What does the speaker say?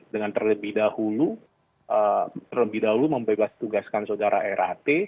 dengan terlebih dahulu membebas tugaskan sodara rat